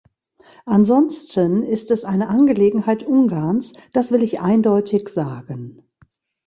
Ansonsten ist es eine Angelegenheit Ungarns, das will ich eindeutig sagen.